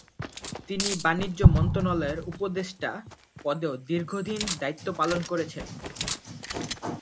তিনি বাণিজ্য মন্ত্রণালয়ের উপদেষ্টা পদেও দীর্ঘদিন দায়িত্ব পালন করেছেন।